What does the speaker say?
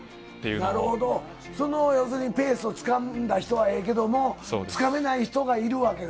要するに、そのペースをつかんだ人はええけども、つかめない人がいるわけだ。